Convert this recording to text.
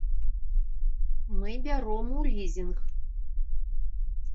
Мы бяром у лізінг.